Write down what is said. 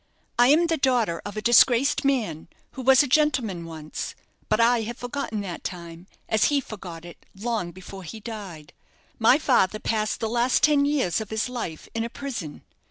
"I am the daughter of a disgraced man, who was a gentleman once; but I have forgotten that time, as he forgot it long before he died. "My father passed the last ten years of his life in a prison.